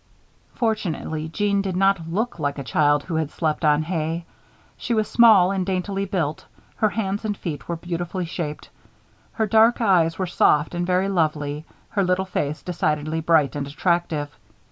Fortunately, Jeanne did not look like a child who had slept on hay. She was small and daintily built. Her hands and feet were beautifully shaped. Her dark eyes were soft and very lovely, her little face decidedly bright and attractive.